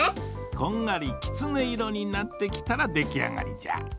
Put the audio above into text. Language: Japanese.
こんがりきつね色になってきたらできあがりじゃ。